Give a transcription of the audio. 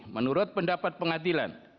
menurut pendapat pengadilan